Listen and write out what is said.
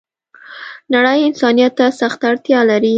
نړۍ انسانيت ته سخته اړتیا لری